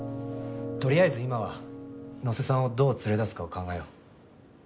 とりあえず今は野瀬さんをどう連れ出すかを考えよう。